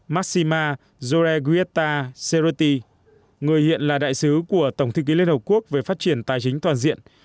maxima jorreguitta serity người hiện là đại sứ của tổng thư ký liên hợp quốc về phát triển tài chính toàn diện